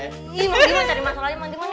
ih mau gimana cari masalahnya mau gimana